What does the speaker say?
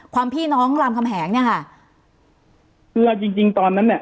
ความพี่น้องลำคำแหงเนี้ยค่ะคือจริงจริงตอนนั้นน่ะ